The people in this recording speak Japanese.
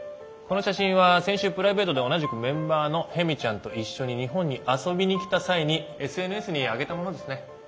この写真は先週プライベートで同じくメンバーのヘミちゃんと一緒に日本に遊びに来た際にＳＮＳにあげたものですね。